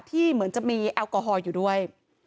เหมือนจะมีแอลกอฮอล์อยู่ด้วย